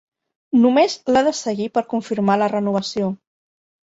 Només l'ha de seguir per confirmar la renovació.